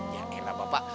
ya enak bapak